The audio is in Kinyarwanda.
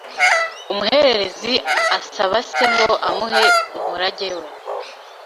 Umuhererezi asaba se ngo amuhe umurage we